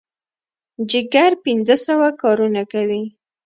جګر پنځه سوه کارونه کوي.